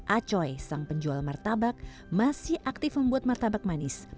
acoy sang penjual martabak masih aktif membuat martabak manis